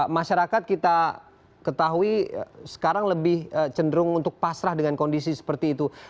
masyarakat kita ketahui sekarang lebih cenderung untuk pasrah dengan kondisi seperti itu